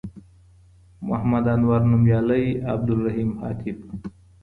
محمد انور نومیالی عبدالرحیم عاطف